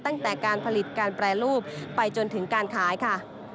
ตั้งแต่การผลิตการแปรรูปไปจนถึงการขายค่ะ